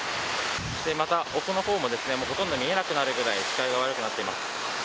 そして、また奥の方もほとんど見えなくなるくらい視界が悪くなっています。